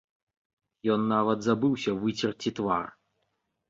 Ён нават забыўся выцерці твар.